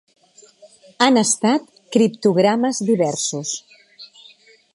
Han estat criptogrames diversos.